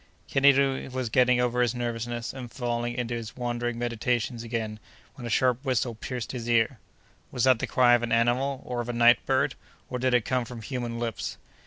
Kennedy was getting over his nervousness and falling into his wandering meditations again, when a sharp whistle pierced his ear. Was that the cry of an animal or of a night bird, or did it come from human lips?